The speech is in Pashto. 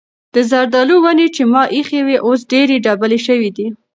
د زردالو ونې چې ما ایښې وې اوس ډېرې ډبلې شوې دي.